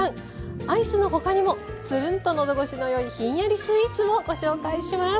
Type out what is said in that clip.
アイスの他にもツルンと喉越しの良いひんやりスイーツもご紹介します。